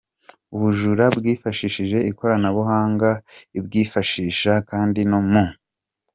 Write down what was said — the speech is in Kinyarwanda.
ubujura bwifashishije ikoranabuhanga ibwifashisha kandi no mu